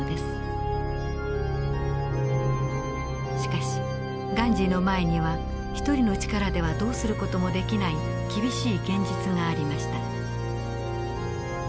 しかしガンジーの前には一人の力ではどうする事もできない厳しい現実がありました。